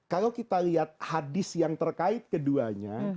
kalau kita lihat hadis yang terkait keduanya